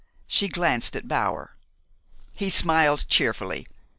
She glanced at Bower. He smiled cheerfully.